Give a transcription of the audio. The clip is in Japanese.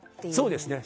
そうですね。